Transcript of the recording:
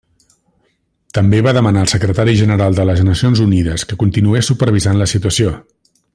També va demanar al Secretari General de les Nacions Unides que continués supervisant la situació.